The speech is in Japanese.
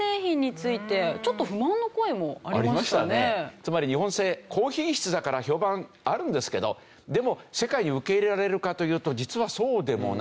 つまり日本製高品質だから評判あるんですけどでも世界に受け入れられるかというと実はそうでもない。